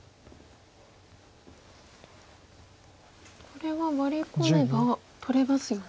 これはワリ込めば取れますよね。